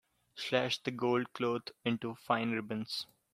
Slash the gold cloth into fine ribbons.